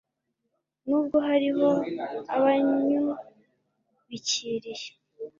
n'ubwo hariho abanyubikiriye